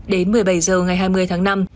đến một mươi bảy h ngày hai mươi tháng năm